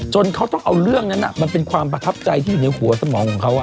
จนเขาต้องเอาเรื่องนั้นมันเป็นความประทับใจที่อยู่ในหัวสมองของเขา